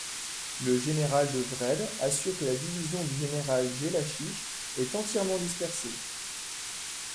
Le général de Wrede assure que la division du général Jellachich est entièrement dispersée.